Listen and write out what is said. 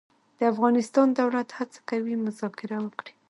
د افغانستان دولت هڅه کوي مذاکره وکړي.